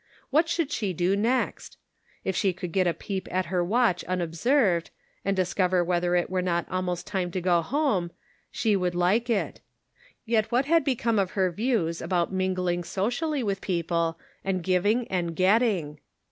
What should she do next ? If she could get a peep at her watch unobserved, and discover whether it were not almost time to go home, she would like it; yet what had become of her views about mingling socitilly with people and giving and getting?